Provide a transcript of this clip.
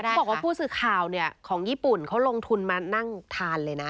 บอกว่าผู้สื่อข่าวของญี่ปุ่นเขาลงทุนมานั่งทานเลยนะ